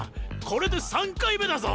これで３回目だぞ。